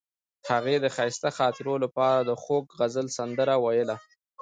هغې د ښایسته خاطرو لپاره د خوږ غزل سندره ویله.